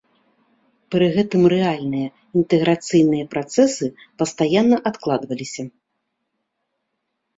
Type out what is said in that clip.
Пры гэтым рэальныя інтэграцыйныя працэсы пастаянна адкладваліся.